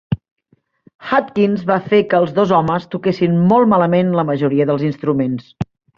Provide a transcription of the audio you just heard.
Hutchins va fer que els dos homes toquessin molt malament la majoria dels instruments.